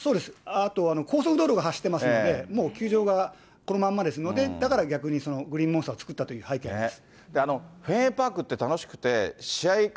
あと、高速道路が走ってますので、もう球場はこのまんまですので、だから逆にグリーンモンスターを作ったという背景があります。